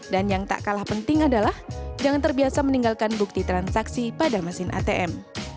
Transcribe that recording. dan yang tak kalah penting adalah jangan terbiasa meninggalkan bukti transaksi pada mesin atm